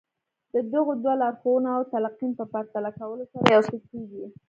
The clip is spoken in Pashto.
د دغو دوو لارښوونو او تلقين په پرتله کولو سره يو څه کېږي.